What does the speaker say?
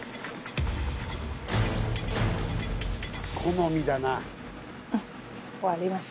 好みだな。